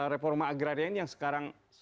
reforma agraria ini yang sekarang